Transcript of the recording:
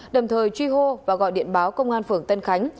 đồng thời truy hô và gọi điện báo công an phường tân khánh